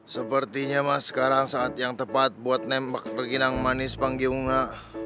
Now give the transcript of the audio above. sepertinya mas sekarang saat yang tepat buat nembak terginang manis panggiunga